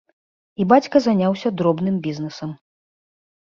І бацька заняўся дробным бізнэсам.